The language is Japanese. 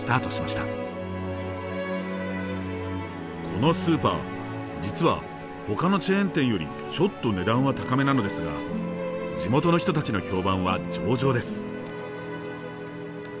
このスーパー実はほかのチェーン店よりちょっと値段は高めなのですが地元の人たちの評判は上々です。